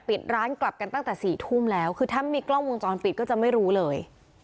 ปิดร้านกลับกันตั้งแต่สี่ทุ่มแล้วคือถ้ามีกล้องวงจรปิดก็จะไม่รู้เลย